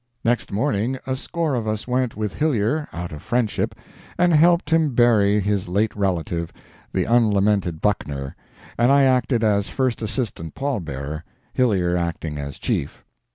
Next morning a score of us went with Hillyer, out of friendship, and helped him bury his late relative, the unlamented Buckner, and I acted as first assistant pall bearer, Hillyer acting as chief.